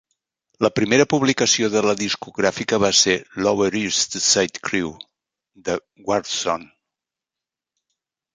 La primera publicació de la discogràfica va ser "Lower East Side Crew" de Warzone.